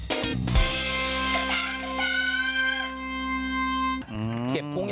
แผ่นดินไหวยังคะแผ่นดินไหวยังคะ